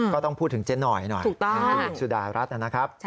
ก็ต้องพูดถึงเจนหน่อยหน่อยคุณหญิงสุดารัฐนะครับถูกต้อง